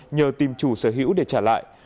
nhờ tìm chủ sở hữu để trả lại